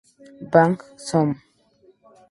Bang Zoom!